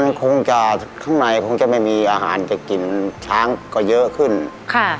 มันคงจะข้างในคงจะไม่มีอาหารจะกินช้างก็เยอะขึ้นค่ะ